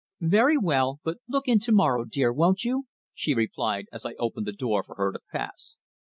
"Very well. But look in to morrow, dear, won't you?" she replied, as I opened the door for her to pass.